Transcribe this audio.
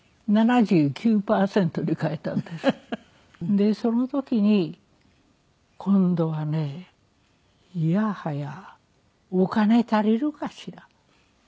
でその時に今度はねいやはやお金足りるかしら？